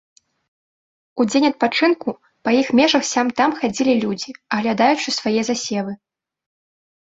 У дзень адпачынку па іх межах сям-там хадзілі людзі, аглядаючы свае засевы.